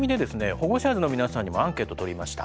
ホゴシャーズの皆さんにもアンケートをとりました。